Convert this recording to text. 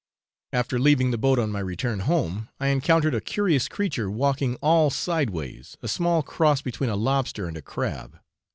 After leaving the boat on my return home, I encountered a curious creature walking all sideways, a small cross between a lobster and a crab.